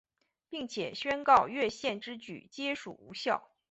并且宣告越线之举皆属无效。